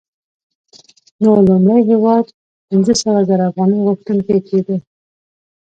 نو لومړی هېواد پنځه سوه زره افغانۍ غوښتونکی کېږي